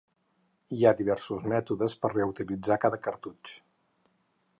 Hi ha diversos mètodes per reutilitzar cada cartutx.